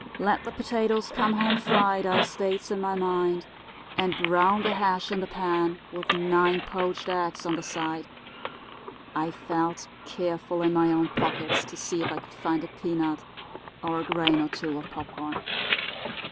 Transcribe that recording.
'Let the potatoes come home fried,' I states in my mind, 'and brown the hash in the pan, with nine poached eggs on the side.' I felt, careful, in my own pockets to see if I could find a peanut or a grain or two of popcorn.